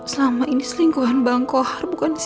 selama ini selingkuhan bang kohar bukan si meka